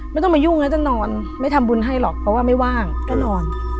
ไม่ต้องมายุ่งนะจะนอนไม่ทำบุญให้หรอกเพราะว่าไม่ว่างก็นอน